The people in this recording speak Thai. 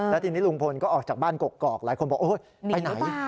แล้วทีนี้ลุงพลก็ออกจากบ้านกกอกหลายคนบอกโอ๊ยไปไหน